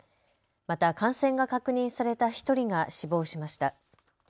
また、感染が確認された１人が死亡しました。